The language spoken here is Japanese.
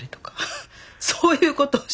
そういうことをして喜んだり。